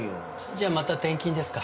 じゃあまた転勤ですか。